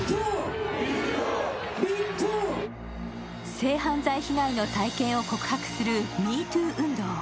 性犯罪被害の体験を告白するＭｅＴｏｏ運動。